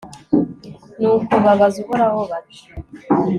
nuko babaza uhoraho, bati